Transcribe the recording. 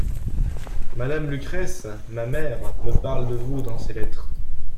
Madame Lucrèce, ma mère me parle de vous dans ses lettres.